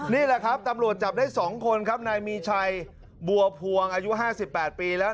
นี่แหละครับตำรวจจับได้๒คนครับนายมีชัยบัวพวงอายุ๕๘ปีแล้ว